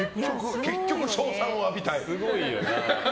結局称賛を浴びたい。